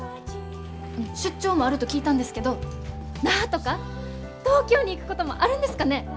出張もあると聞いたんですけど那覇とか東京に行くこともあるんですかね？